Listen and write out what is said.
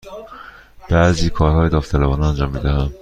بعضی کارهای داوطلبانه انجام می دهم.